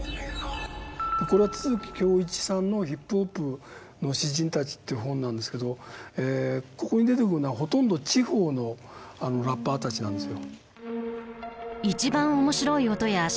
これは都築響一さんの「ヒップホップの詩人たち」という本なんですけどここに出てくるのはほとんど地方のラッパーたちなんですよ。